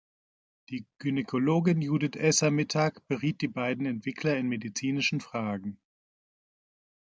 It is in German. Die Gynäkologin Judith Esser Mittag beriet die beiden Entwickler in medizinischen Fragen.